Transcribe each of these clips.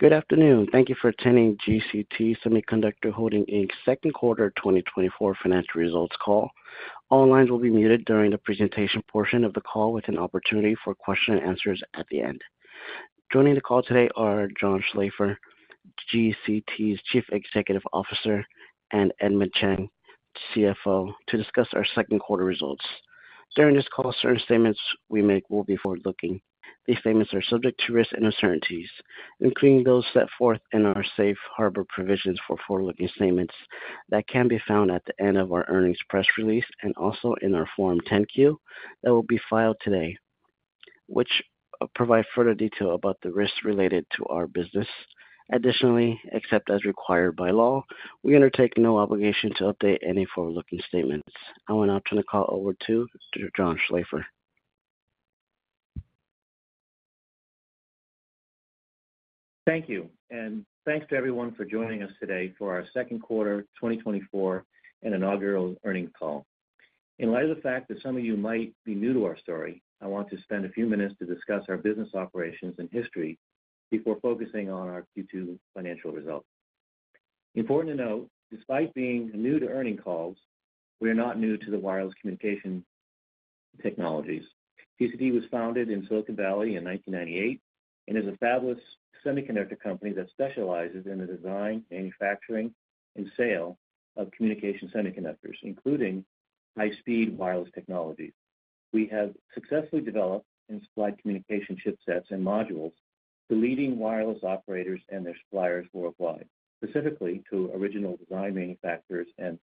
Good afternoon. Thank you for attending GCT Semiconductor Holding Inc.'s second quarter 2024 financial results call. All lines will be muted during the presentation portion of the call with an opportunity for question and answers at the end. Joining the call today are John Schlaefer, GCT's Chief Executive Officer, and Edmond Cheng, CFO, to discuss our second quarter results. During this call, certain statements we make will be forward-looking. These statements are subject to risks and uncertainties, including those set forth in our safe harbor provisions for forward-looking statements that can be found at the end of our earnings press release and also in our Form 10-Q that will be filed today, which provide further detail about the risks related to our business. Additionally, except as required by law, we undertake no obligation to update any forward-looking statements. I will now turn the call over to Mr. John Schlaefer. Thank you, and thanks to everyone for joining us today for our second quarter 2024 and inaugural earnings call. In light of the fact that some of you might be new to our story, I want to spend a few minutes to discuss our business operations and history before focusing on our Q2 financial results. Important to note, despite being new to earnings calls, we are not new to the wireless communication technologies. GCT was founded in Silicon Valley in 1998 and is a fabless semiconductor company that specializes in the design, manufacturing, and sale of communication semiconductors, including high-speed wireless technologies. We have successfully developed and supplied communication chipsets and modules to leading wireless operators and their suppliers worldwide, specifically to original design manufacturers and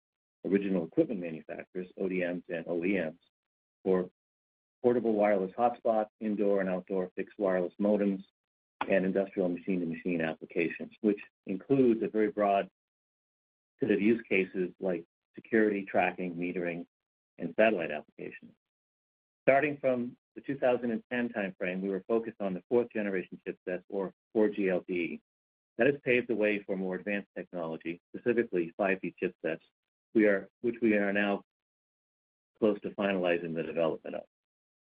original equipment manufacturers, ODMs and OEMs, for portable wireless hotspots, indoor and outdoor fixed wireless modems, and industrial machine-to-machine applications, which includes a very broad set of use cases like security, tracking, metering, and satellite applications. Starting from the 2010 timeframe, we were focused on the fourth generation chipset or 4G LTE. That has paved the way for more advanced technology, specifically 5G chipsets which we are now close to finalizing the development of.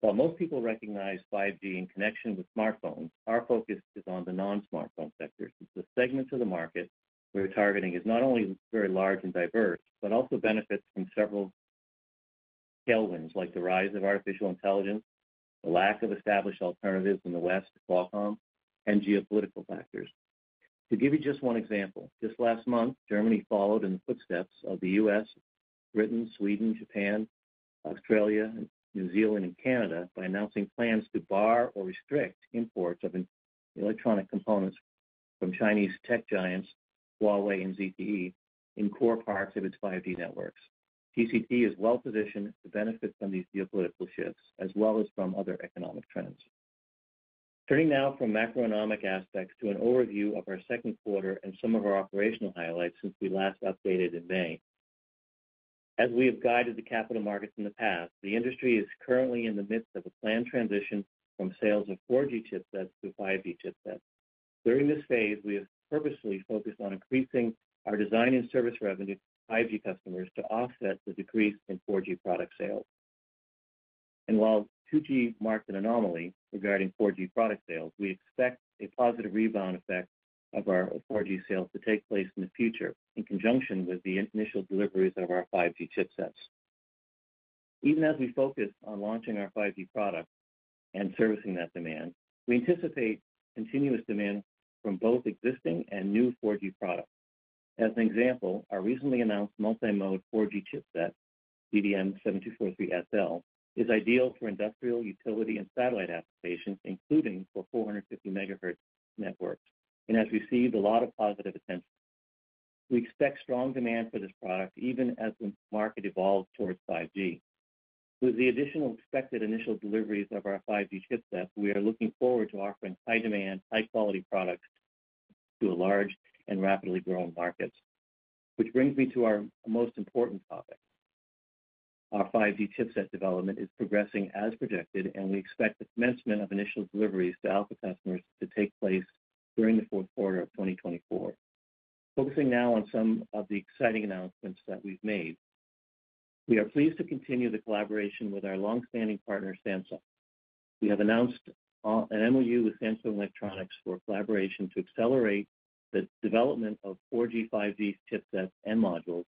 While most people recognize 5G in connection with smartphones, our focus is on the non-smartphone sector. Since the segments of the market we are targeting is not only very large and diverse, but also benefits from several tailwinds, like the rise of artificial intelligence, the lack of established alternatives in the West, Qualcomm, and geopolitical factors. To give you just one example, just last month, Germany followed in the footsteps of the U.S., Britain, Sweden, Japan, Australia, New Zealand, and Canada by announcing plans to bar or restrict imports of electronic components from Chinese tech giants Huawei and ZTE in core parts of its 5G networks. GCT is well positioned to benefit from these geopolitical shifts as well as from other economic trends. Turning now from macroeconomic aspects to an overview of our second quarter and some of our operational highlights since we last updated in May. As we have guided the capital markets in the past, the industry is currently in the midst of a planned transition from sales of 4G chipsets to 5G chipsets. During this phase, we have purposely focused on increasing our design and service revenue to 5G customers to offset the decrease in 4G product sales. While 2Q marked an anomaly regarding 4G product sales, we expect a positive rebound effect of our 4G sales to take place in the future, in conjunction with the initial deliveries of our 5G chipsets. Even as we focus on launching our 5G products and servicing that demand, we anticipate continuous demand from both existing and new 4G products. As an example, our recently announced multi-mode 4G chipset, GDM7243SL, is ideal for industrial, utility, and satellite applications, including for 450 MHz networks, and has received a lot of positive attention. We expect strong demand for this product even as the market evolves towards 5G. With the additional expected initial deliveries of our 5G chipset, we are looking forward to offering high demand, high-quality products to a large and rapidly growing market. Which brings me to our most important topic. Our 5G chipset development is progressing as projected, and we expect the commencement of initial deliveries to alpha customers to take place during the fourth quarter of 2024. Focusing now on some of the exciting announcements that we've made. We are pleased to continue the collaboration with our long-standing partner, Samsung. We have announced an MOU with Samsung Electronics for collaboration to accelerate the development of 4G, 5G chipsets and modules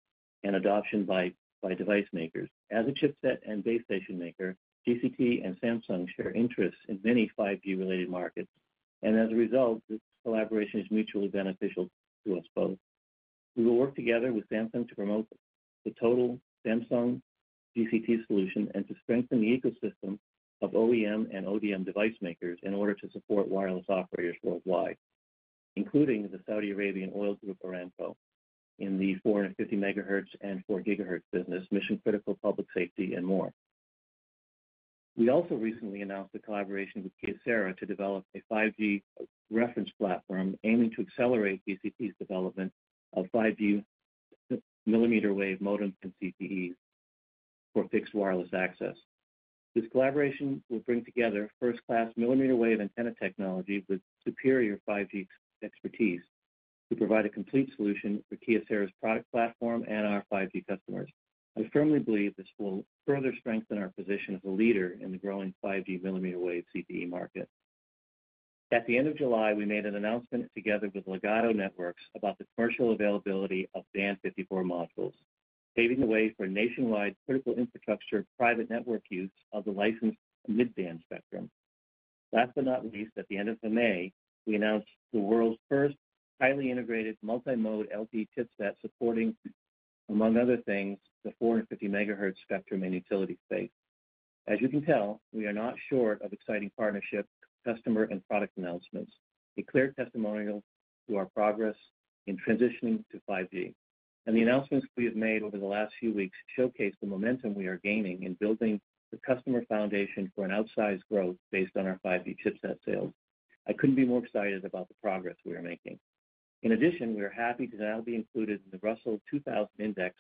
and adoption by device makers. As a chipset and base station maker, GCT and Samsung share interests in many 5G-related markets, and as a result, this collaboration is mutually beneficial to us both. We will work together with Samsung to promote the total Samsung GCT solution and to strengthen the ecosystem of OEM and ODM device makers in order to support wireless operators worldwide, including the Saudi Arabian oil group, Aramco, in the 450 MHz and 4G business, mission-critical public safety, and more. We also recently announced a collaboration with Kyocera to develop a 5G reference platform, aiming to accelerate GCT's development of 5G millimeter wave modems and CPE for fixed wireless access. This collaboration will bring together first-class millimeter wave antenna technology with superior 5G expertise... We provide a complete solution for Kyocera's product platform and our 5G customers. I firmly believe this will further strengthen our position as a leader in the growing 5G millimeter wave CPE market. At the end of July, we made an announcement together with Ligado Networks about the commercial availability of the Band 54 modules, paving the way for nationwide critical infrastructure, private network use of the licensed mid-band spectrum. Last but not least, at the end of May, we announced the world's first highly integrated multi-mode LTE chipset, supporting, among other things, the 450 MHz spectrum in utility space. As you can tell, we are not short of exciting partnership, customer, and product announcements, a clear testimonial to our progress in transitioning to 5G. The announcements we have made over the last few weeks showcase the momentum we are gaining in building the customer foundation for an outsized growth based on our 5G chipset sales. I couldn't be more excited about the progress we are making. In addition, we are happy to now be included in the Russell 2000 Index,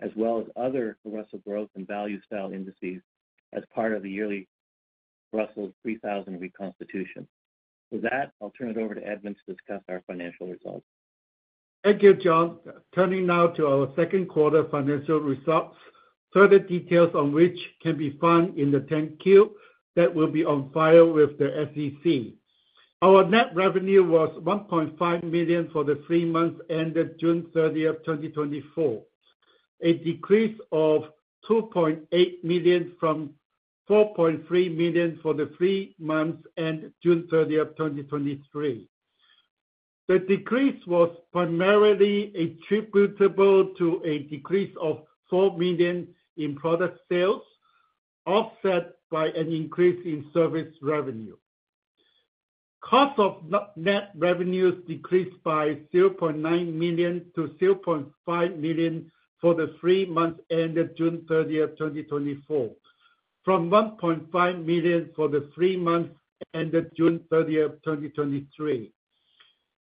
as well as other Russell Growth and Value style indices as part of the yearly Russell 3000 reconstitution. With that, I'll turn it over to Edmond to discuss our financial results. Thank you, John. Turning now to our second quarter financial results, further details on which can be found in the Form 10-Q that will be on file with the SEC. Our net revenue was $1.5 million for the three months ended June 30th, 2024, a decrease of $2.8 million from $4.3 million for the three months ended June 30th, 2023. The decrease was primarily attributable to a decrease of $4 million in product sales, offset by an increase in service revenue. Cost of net revenues decreased by $0.9 million to $0.5 million for the three months ended June 30th, 2024, from $1.5 million for the three months ended June 30th, 2023.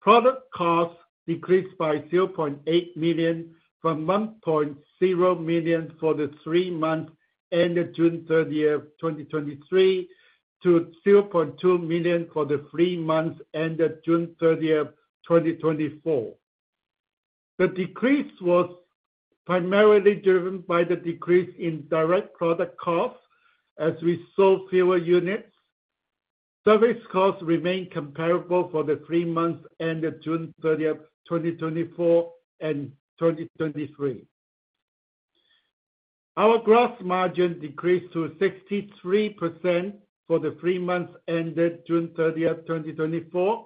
Product costs decreased by $0.8 million from $1.0 million for the three months ended June 30th, 2023, to $0.2 million for the three months ended June 30th, 2024. The decrease was primarily driven by the decrease in direct product costs as we sold fewer units. Service costs remained comparable for the three months ended June 30th, 2024 and 2023. Our gross margin decreased to 63% for the three months ended June 30th, 2024,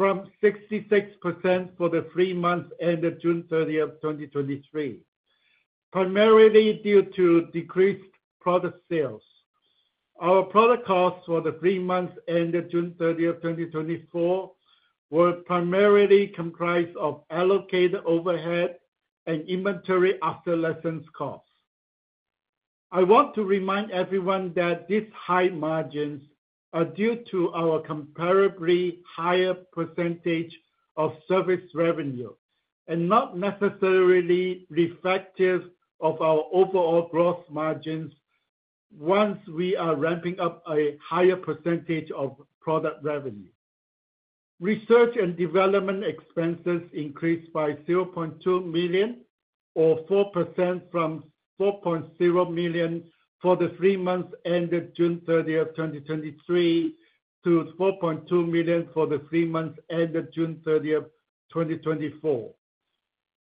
from 66% for the three months ended June 30th, 2023, primarily due to decreased product sales. Our product costs for the three months ended June 30th, 2024, were primarily comprised of allocated overhead and inventory adjustment costs. I want to remind everyone that these high margins are due to our comparably higher percentage of service revenue, and not necessarily reflective of our overall gross margins once we are ramping up a higher percentage of product revenue. Research and development expenses increased by $0.2 million, or 4%, from $4.0 million for the three months ended June 30th, 2023, to $4.2 million for the three months ended June 30th, 2024.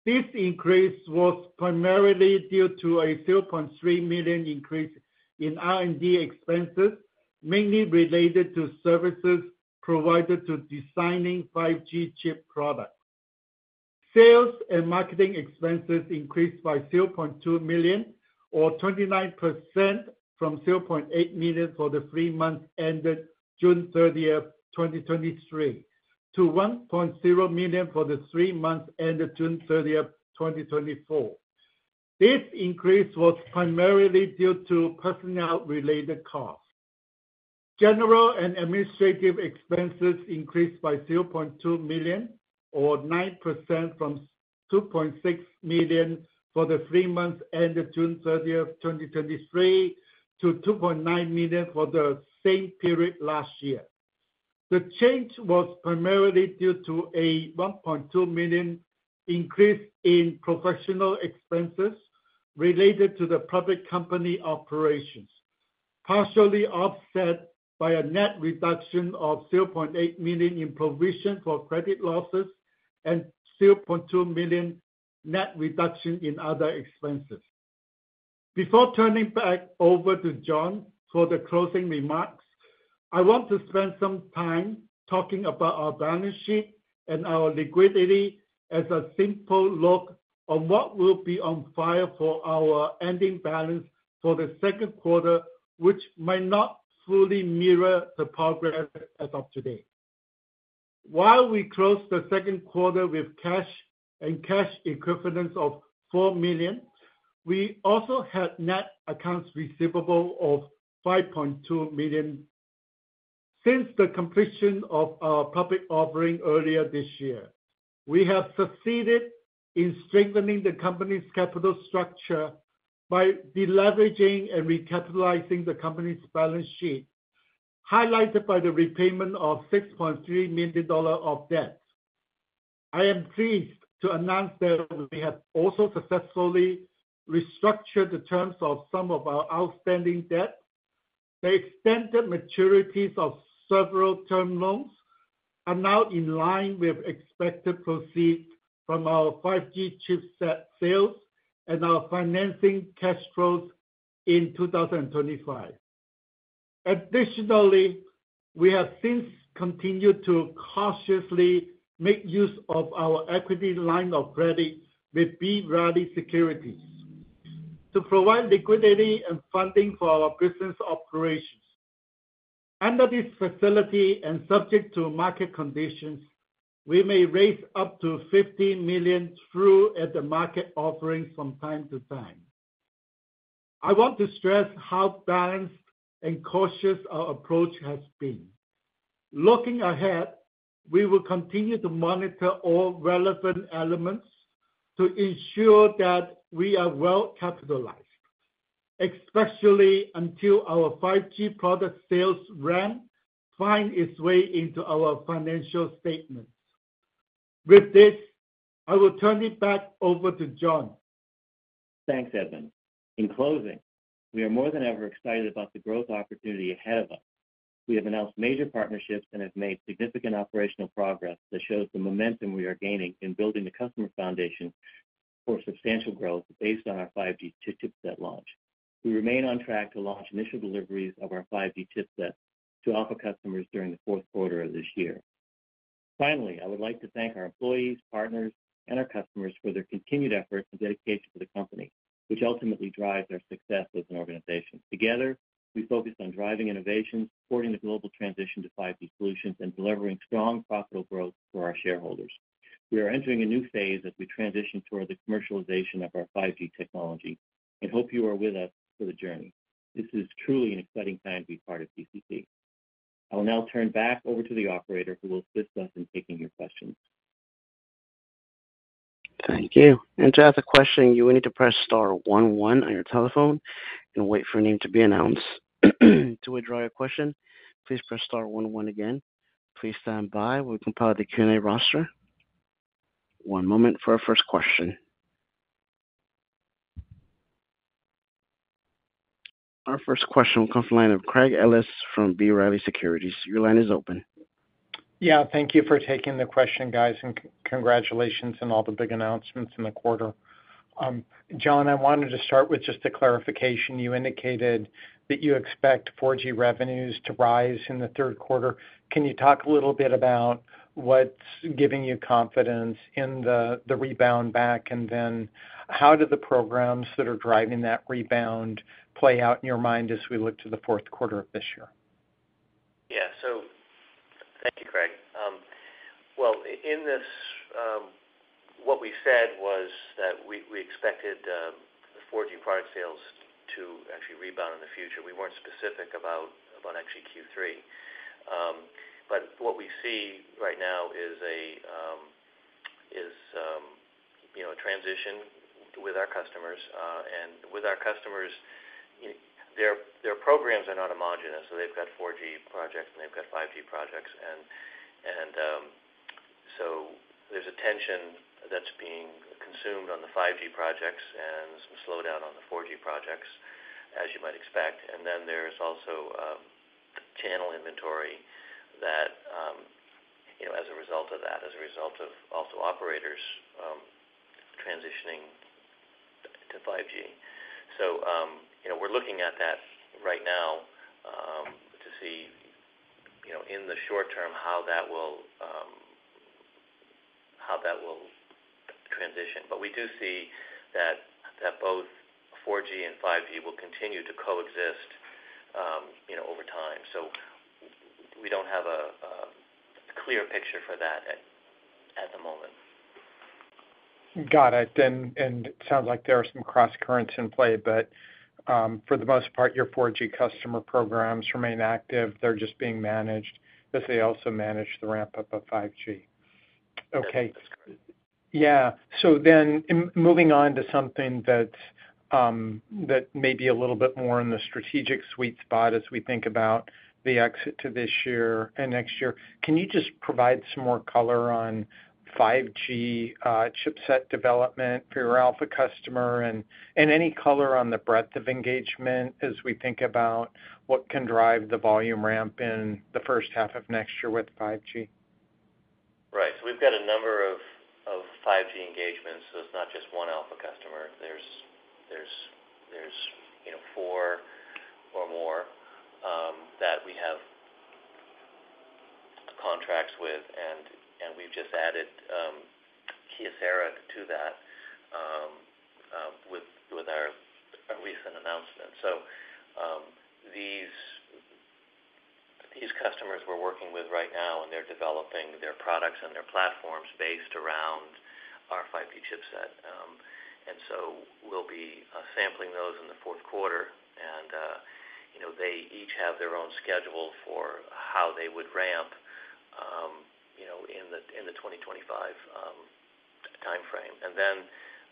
This increase was primarily due to a $0.3 million increase in R&D expenses, mainly related to services provided to designing 5G chip products. Sales and marketing expenses increased by $0.2 million, or 29%, from $0.8 million for the three months ended June 30th, 2023, to $1.0 million for the three months ended June 30th, 2024. This increase was primarily due to personnel-related costs. General and administrative expenses increased by $0.2 million, or 9%, from $2.6 million for the three months ended June 30th, 2023, to $2.9 million for the same period last year. The change was primarily due to a $1.2 million increase in professional expenses related to the public company operations, partially offset by a net reduction of $0.8 million in provision for credit losses and $0.2 million net reduction in other expenses. Before turning back over to John for the closing remarks, I want to spend some time talking about our balance sheet and our liquidity as a simple look on what will be on file for our ending balance for the second quarter, which might not fully mirror the progress as of today. While we closed the second quarter with cash and cash equivalents of $4 million, we also had net accounts receivable of $5.2 million. Since the completion of our public offering earlier this year, we have succeeded in strengthening the company's capital structure by deleveraging and recapitalizing the company's balance sheet, highlighted by the repayment of $6.3 million of debt. I am pleased to announce that we have also successfully restructured the terms of some of our outstanding debt. The extended maturities of several term loans are now in line with expected proceeds from our 5G chipset sales and our financing cash flows in 2025. Additionally, we have since continued to cautiously make use of our equity line of credit with B. Riley Securities to provide liquidity and funding for our business operations. Under this facility, and subject to market conditions, we may raise up to $50 million through at-the-market offerings from time to time. I want to stress how balanced and cautious our approach has been. Looking ahead, we will continue to monitor all relevant elements to ensure that we are well capitalized, especially until our 5G product sales ramp find its way into our financial statements. With this, I will turn it back over to John. Thanks, Edmond. In closing, we are more than ever excited about the growth opportunity ahead of us. We have announced major partnerships and have made significant operational progress that shows the momentum we are gaining in building the customer foundation for substantial growth based on our 5G chipset launch. We remain on track to launch initial deliveries of our 5G chipset to Alpha customers during the fourth quarter of this year. Finally, I would like to thank our employees, partners, and our customers for their continued efforts and dedication to the company, which ultimately drives our success as an organization. Together, we focus on driving innovation, supporting the global transition to 5G solutions, and delivering strong, profitable growth for our shareholders. We are entering a new phase as we transition toward the commercialization of our 5G technology and hope you are with us for the journey. This is truly an exciting time to be part of GCT. I will now turn back over to the operator, who will assist us in taking your questions. Thank you. To ask a question, you will need to press star one one on your telephone and wait for your name to be announced. To withdraw your question, please press star one one again. Please stand by while we compile the Q&A roster. One moment for our first question. Our first question will come from the line of Craig Ellis from B. Riley Securities. Your line is open. Yeah, thank you for taking the question, guys, and congratulations on all the big announcements in the quarter. John, I wanted to start with just a clarification. You indicated that you expect 4G revenues to rise in the third quarter. Can you talk a little bit about what's giving you confidence in the rebound back? And then how do the programs that are driving that rebound play out in your mind as we look to the fourth quarter of this year? Yeah. So thank you, Craig. Well, in this, what we said was that we expected the 4G product sales to actually rebound in the future. We weren't specific about actually Q3. But what we see right now is, you know, a transition with our customers. And with our customers, their programs are not homogenous, so they've got 4G projects, and they've got 5G projects. And so there's attention that's being consumed on the 5G projects and some slowdown on the 4G projects, as you might expect. And then there's also the channel inventory that, you know, as a result of that, as a result of also operators transitioning to 5G. So, you know, we're looking at that right now, to see, you know, in the short term, how that will transition. But we do see that both 4G and 5G will continue to coexist, you know, over time. So we don't have a clear picture for that at the moment. Got it. Then, and it sounds like there are some crosscurrents in play, but for the most part, your 4G customer programs remain active. They're just being managed, but they also manage the ramp-up of 5G. Okay. Yeah. So then moving on to something that may be a little bit more in the strategic sweet spot as we think about the exit to this year and next year, can you just provide some more color on 5G chipset development for your alpha customer? And any color on the breadth of engagement as we think about what can drive the volume ramp in the first half of next year with 5G. Right. So we've got a number of 5G engagements. So it's not just one alpha customer. There's, you know, four or more that we have contracts with, and we've just added Kyocera to that with our recent announcement. So, these customers we're working with right now, and they're developing their products and their platforms based around our 5G chipset. And so we'll be sampling those in the fourth quarter. And, you know, they each have their own schedule for how they would ramp in the 2025 timeframe. And then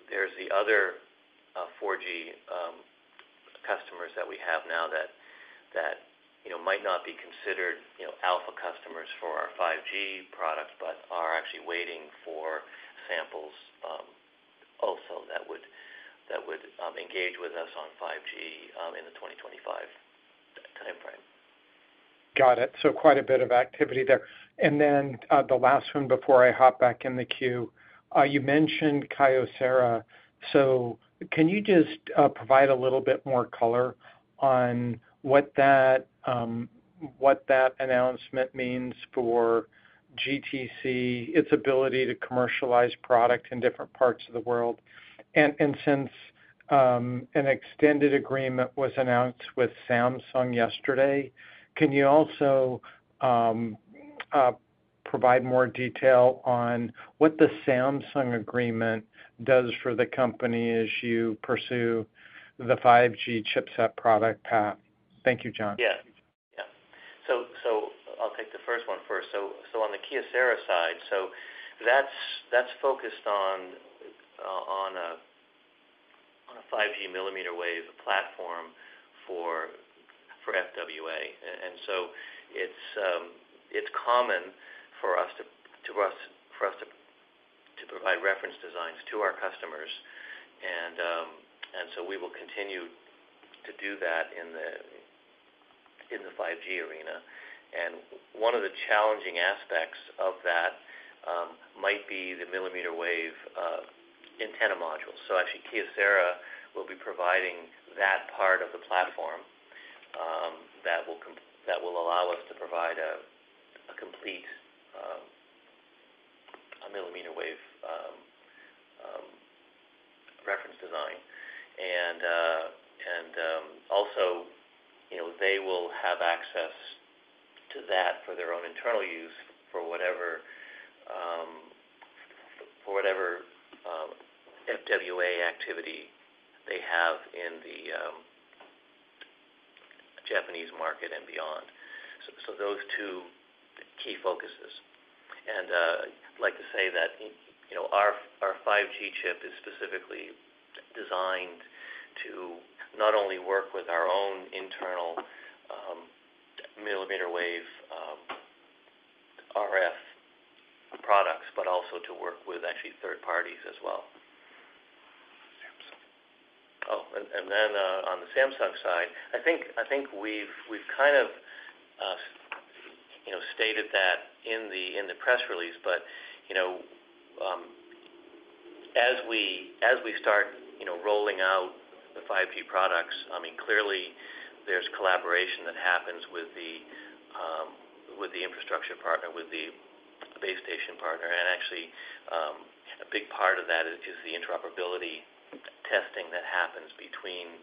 there's the other 4G customers that we have now that you know might not be considered you know Alpha customers for our 5G products, but are actually waiting for samples also that would engage with us on 5G in the 2025 timeframe. Got it. So quite a bit of activity there. And then, the last one before I hop back in the queue. You mentioned Kyocera, so can you just provide a little bit more color on what that announcement means for GCT, its ability to commercialize product in different parts of the world? And since an extended agreement was announced with Samsung yesterday, can you also provide more detail on what the Samsung agreement does for the company as you pursue the 5G chipset product path? Thank you, John. Yeah. Yeah. So I'll take the first one first. So on the Kyocera side, so that's focused on a 5G millimeter wave platform for FWA. And so it's common for us to provide reference designs to our customers, and so we will continue to do that in the 5G arena. And one of the challenging aspects of that might be the millimeter wave antenna module. So actually, Kyocera will be providing that part of the platform that will allow us to provide a complete millimeter wave reference design. And, also, you know, they will have access to that for their own internal use, for whatever, for whatever, FWA activity they have in the Japanese market and beyond. So those two key focuses. And, I'd like to say that, you know, our 5G chip is specifically designed to not only work with our own internal millimeter wave RF products, but also to work with actually third parties as well. Samsung. Oh, and then, on the Samsung side, I think we've kind of, you know, stated that in the press release. But, you know, as we start, you know, rolling out the 5G products, I mean, clearly there's collaboration that happens with the infrastructure partner, with the base station partner. And actually, a big part of that is the interoperability testing that happens between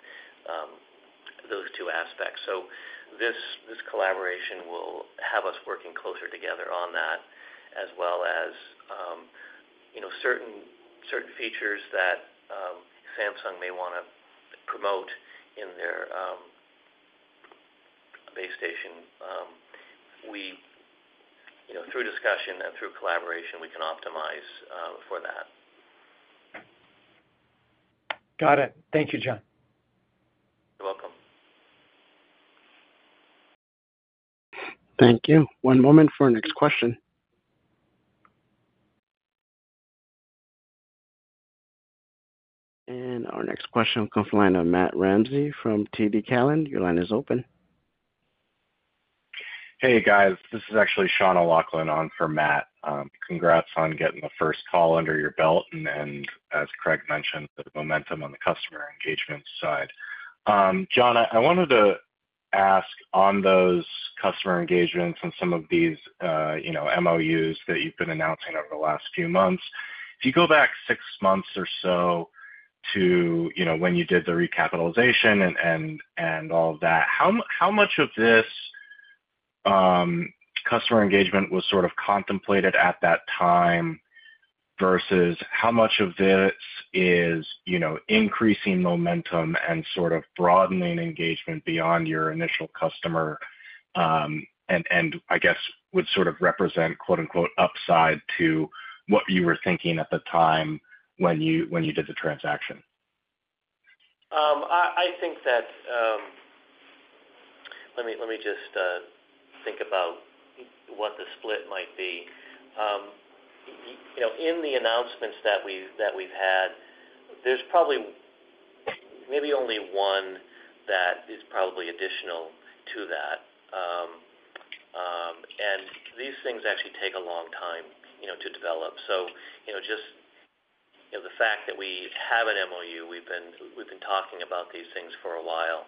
those two aspects. So this collaboration will have us working closer together on that, as well as, you know, certain features that Samsung may wanna promote in their base station. You know, through discussion and through collaboration, we can optimize for that. Got it. Thank you, John. You're welcome. Thank you. One moment for our next question. Our next question comes from the line of Matt Ramsey from TD Cowen. Your line is open. Hey, guys. This is actually Sean O'Loughlin on for Matt. Congrats on getting the first call under your belt, and as Craig mentioned, the momentum on the customer engagement side. John, I wanted to ask on those customer engagements and some of these, you know, MOUs that you've been announcing over the last few months. If you go back six months or so to, you know, when you did the recapitalization and all of that, how much of this customer engagement was sort of contemplated at that time, versus how much of this is, you know, increasing momentum and sort of broadening engagement beyond your initial customer, and I guess would sort of represent, quote, unquote, "upside" to what you were thinking at the time when you did the transaction? I think that. Let me just think about what the split might be. You know, in the announcements that we've had, there's probably maybe only one that is probably additional to that. These things actually take a long time, you know, to develop. So, you know, just, you know, the fact that we have an MOU, we've been talking about these things for a while.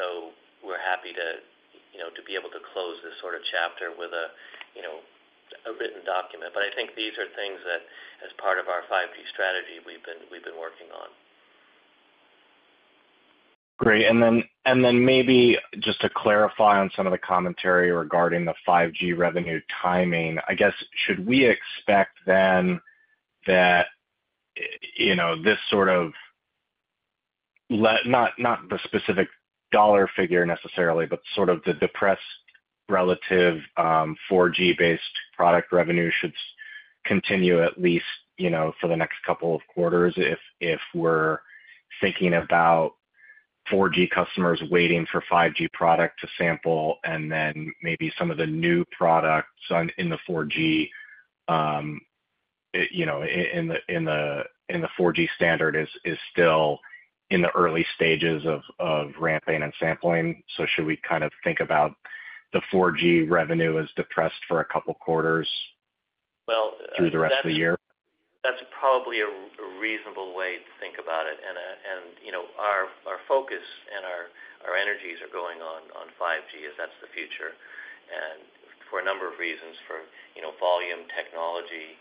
So we're happy to, you know, to be able to close this sort of chapter with a, you know, a written document. But I think these are things that, as part of our 5G strategy, we've been working on. Great. Then maybe just to clarify on some of the commentary regarding the 5G revenue timing. I guess, should we expect then that, you know, this sort of let's not, not the specific dollar figure necessarily, but sort of the depressed relative 4G based product revenue should continue at least, you know, for the next couple of quarters, if we're thinking about 4G customers waiting for 5G product to sample, and then maybe some of the new products in the 4G, you know, in the 4G standard is still in the early stages of ramping and sampling. So should we kind of think about the 4G revenue as depressed for a couple quarters? Well- through the rest of the year? That's probably a reasonable way to think about it. And, you know, our focus and our energies are going on five G, as that's the future, and for a number of reasons, you know, volume, technology,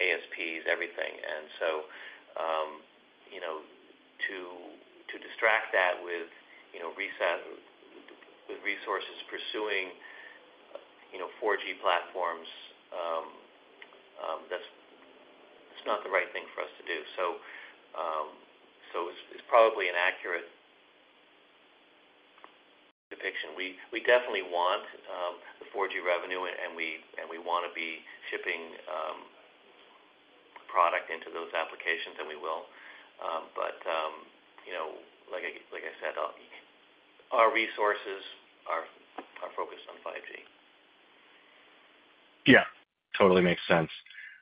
ASPs, everything. And so, you know, to distract that with reset, with resources pursuing four G platforms, that's not the right thing for us to do. So, it's probably an accurate depiction. We definitely want the four G revenue, and we want to be shipping product into those applications, and we will. But, you know, like I said, our resources are focused on five G. Yeah, totally makes sense.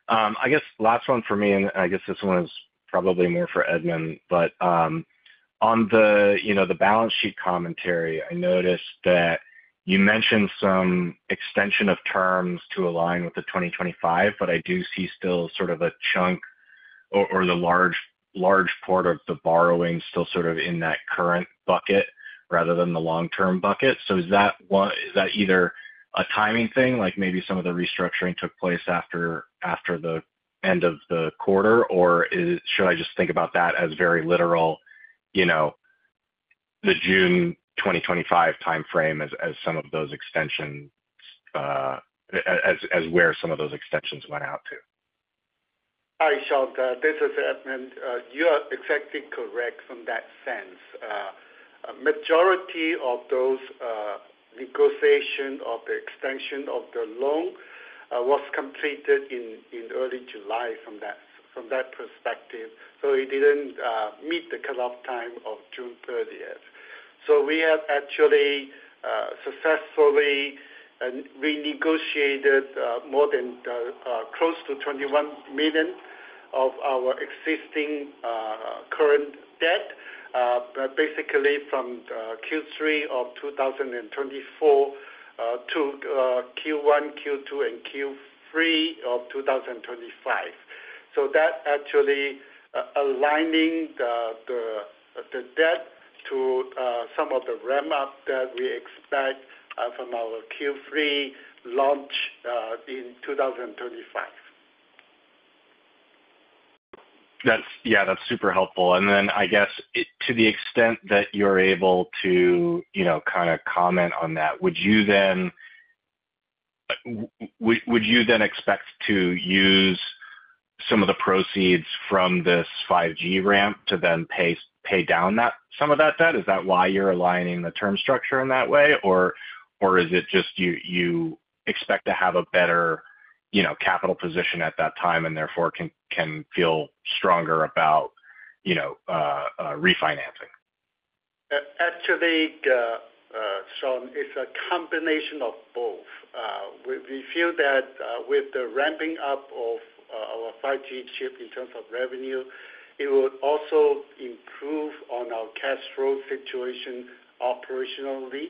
I guess last one for me, and I guess this one is probably more for Edmond. But, on the, you know, the balance sheet commentary, I noticed that you mentioned some extension of terms to align with the 2025, but I do see still sort of a chunk or the large, large part of the borrowing still sort of in that current bucket rather than the long-term bucket. So is that either a timing thing, like maybe some of the restructuring took place after the end of the quarter? Or is it, should I just think about that as very literal, you know, the June 2025 timeframe as some of those extensions, as where some of those extensions went out to? Hi, Sean, this is Edmund. You are exactly correct from that sense. Majority of those, negotiation of the extension of the loan, was completed in early July from that perspective. So it didn't meet the cutoff time of June thirtieth. So we have actually successfully renegotiated more than close to $21 million of our existing current debt, basically from Q3 of 2024 to Q1, Q2, and Q3 of 2025. So that actually aligning the debt to some of the ramp up that we expect from our Q3 launch in 2025. That's yeah, that's super helpful. And then I guess it, to the extent that you're able to, you know, kind of comment on that, would you then... would you then expect to use some of the proceeds from this 5G ramp to then pay down that, some of that debt? Is that why you're aligning the term structure in that way? Or is it just you expect to have a better, you know, capital position at that time and therefore can feel stronger about, you know, refinancing? Actually, Sean, it's a combination of both. We feel that with the ramping up of our 5G chip in terms of revenue, it would also improve on our cash flow situation operationally.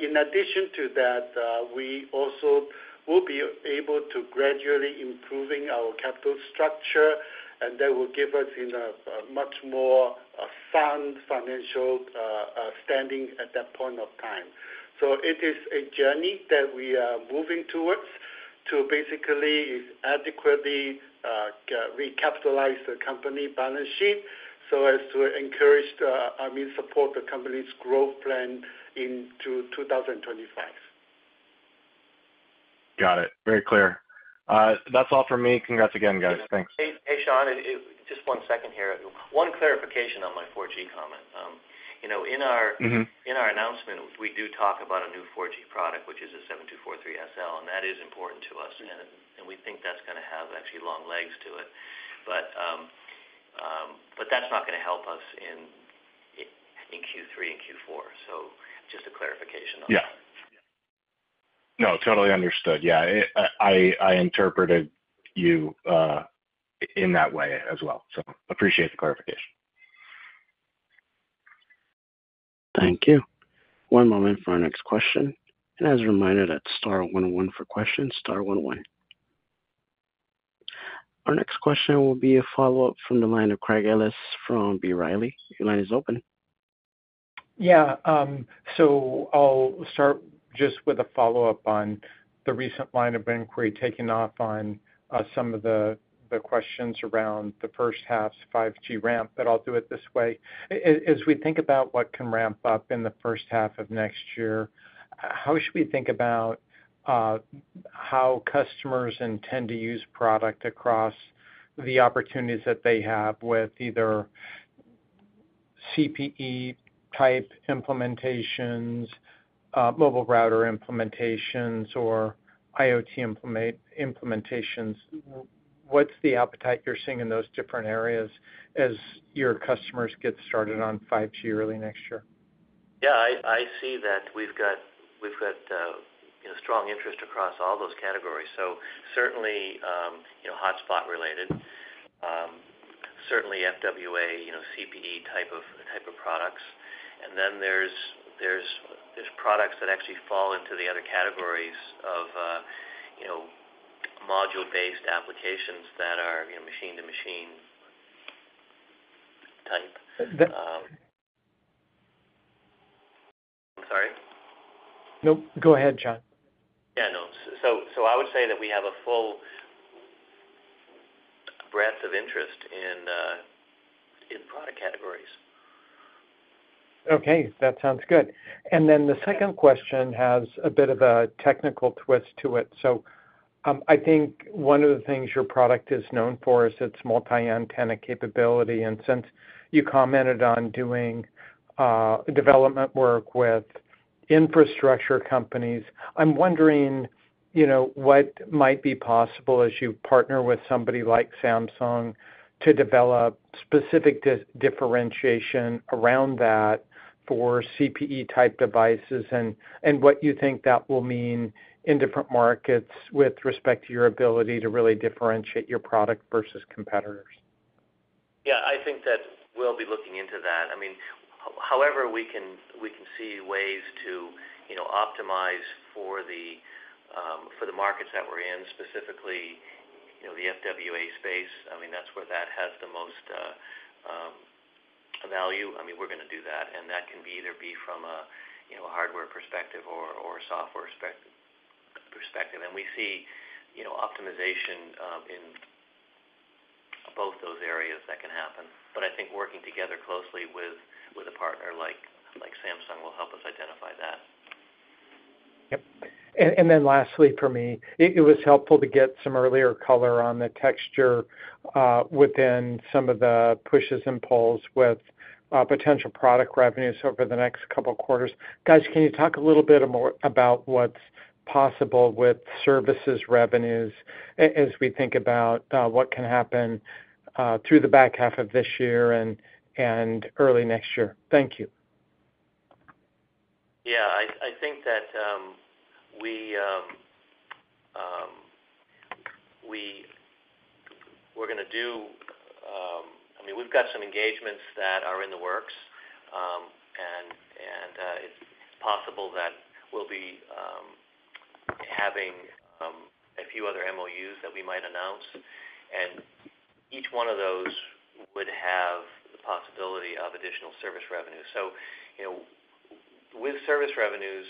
In addition to that, we also will be able to gradually improving our capital structure, and that will give us in a much more sound financial standing at that point of time. So it is a journey that we are moving towards to basically adequately recapitalize the company balance sheet so as to encourage, I mean, support the company's growth plan into 2025. Got it. Very clear. That's all for me. Congrats again, guys. Thanks. Hey, hey, Sean. Just one second here. One clarification on my 4G comment. You know, in our- Mm-hmm. In our announcement, we do talk about a new 4G product, which is a 7243 SL, and that is important to us, and we think that's gonna have actually long legs to it. But that's not gonna help us in Q3 and Q4. So just a clarification on that. Yeah. No, totally understood. Yeah, I interpreted you in that way as well. So, appreciate the clarification. Thank you. One moment for our next question. As a reminder, that's star one one for questions, star one one. Our next question will be a follow-up from the line of Craig Ellis from B. Riley. Your line is open. Yeah, so I'll start just with a follow-up on the recent line of inquiry, taking off on some of the questions around the first half's 5G ramp, but I'll do it this way. As we think about what can ramp up in the first half of next year, how should we think about how customers intend to use product across the opportunities that they have with either CPE type implementations, mobile router implementations, or IoT implementations. What's the appetite you're seeing in those different areas as your customers get started on 5G early next year? Yeah, I see that we've got, you know, strong interest across all those categories. So certainly, you know, hotspot related, certainly FWA, you know, CPE type of, type of products. And then there's products that actually fall into the other categories of, you know, module-based applications that are, you know, machine-to-machine type. I'm sorry? Nope, go ahead, John. Yeah, no. So, I would say that we have a full breadth of interest in product categories. Okay, that sounds good. Then the second question has a bit of a technical twist to it. I think one of the things your product is known for is its multi-antenna capability, and since you commented on doing development work with infrastructure companies, I'm wondering, you know, what might be possible as you partner with somebody like Samsung to develop specific differentiation around that for CPE-type devices, and what you think that will mean in different markets with respect to your ability to really differentiate your product versus competitors. Yeah, I think that we'll be looking into that. I mean, however, we can, we can see ways to, you know, optimize for the, for the markets that we're in, specifically, you know, the FWA space, I mean, that's where that has the most value. I mean, we're gonna do that, and that can either be from a, you know, hardware perspective or, or software perspective. And we see, you know, optimization in both those areas that can happen. But I think working together closely with, with a partner like, like Samsung will help us identify that. Yep. And then lastly, for me, it was helpful to get some earlier color on the texture within some of the pushes and pulls with potential product revenues over the next couple of quarters. Guys, can you talk a little bit more about what's possible with services revenues as we think about what can happen through the back half of this year and early next year? Thank you. Yeah, I think that we, we're gonna do. I mean, we've got some engagements that are in the works, and it's possible that we'll be having a few other MOUs that we might announce, and each one of those would have the possibility of additional service revenue. So, you know, with service revenues,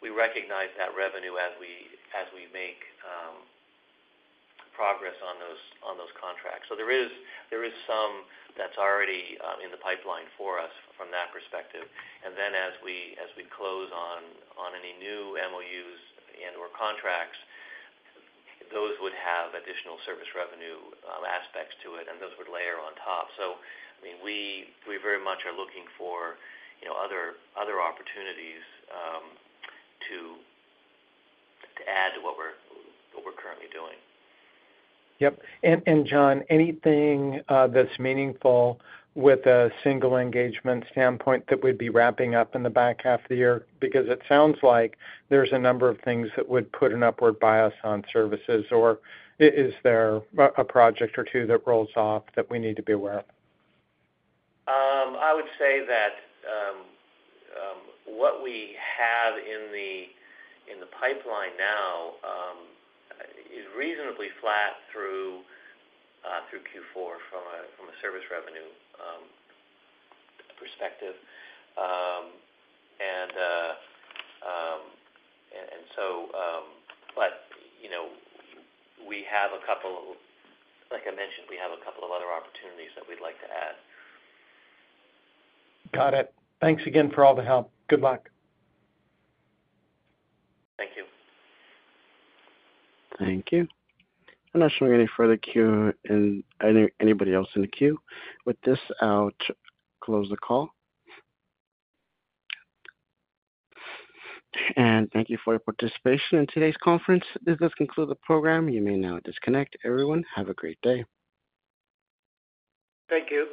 we recognize that revenue as we make progress on those contracts. So there is some that's already in the pipeline for us from that perspective. And then as we close on any new MOUs and/or contracts, those would have additional service revenue aspects to it, and those would layer on top. So, I mean, we very much are looking for, you know, other opportunities to add to what we're currently doing. Yep. And John, anything that's meaningful with a single engagement standpoint that we'd be wrapping up in the back half of the year? Because it sounds like there's a number of things that would put an upward bias on services, or is there a project or two that rolls off that we need to be aware of? I would say that what we have in the pipeline now is reasonably flat through Q4 from a service revenue perspective. But, you know, like I mentioned, we have a couple of other opportunities that we'd like to add. Got it. Thanks again for all the help. Good luck. Thank you. Thank you. I'm not showing any further queue, anybody else in the queue. With this, I'll close the call. Thank you for your participation in today's conference. This does conclude the program. You may now disconnect. Everyone, have a great day. Thank you.